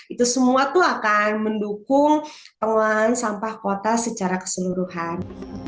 itu semua akan mendukung pengurangan sampah kota secara keseluruhan